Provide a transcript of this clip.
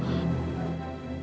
aku sudah pulang